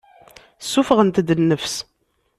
Ssuffɣent-d nnefs.